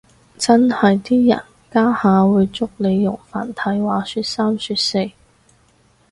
真係啲人家下會捉住你用繁體話說三話四